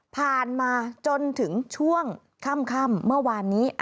มาจนถึงช่วงค่ำเมื่อวานนี้